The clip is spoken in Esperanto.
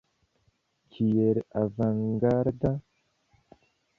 Kiel avangarda!